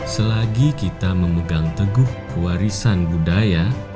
selagi kita memegang teguh warisan budaya